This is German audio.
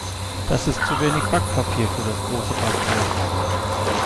Das ist zu wenig Backpapier für das große Backblech.